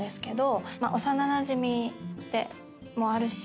幼なじみでもあるし